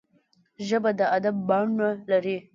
ژبه د ادب بڼه ده